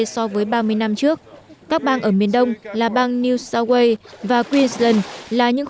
so với ba mươi năm trước các bang ở miền đông là bang new south wales và queensland là những